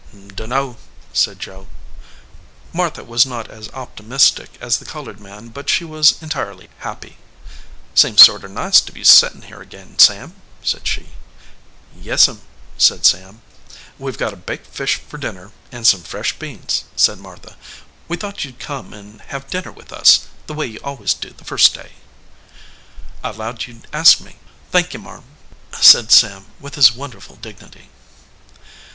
"Dunno," said Joe. Martha was not as optimistic as the colored man, but she was entirely happy. "Seems sorter nice to be settin here ag in, Sam," said she. "Yes m," said Sam. "We ve got a baked fish for dinner, and some fresh beans," said Martha. "We thought you d come and have dinner with us, the way you always do the first day." "I lowed you d ask me, thank ye, marm," said Sam, with his wonderful dignity.